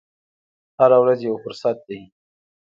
هره ورځ یو فرصت دی.